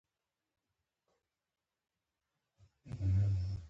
د داخله ناروغیو متخصص دی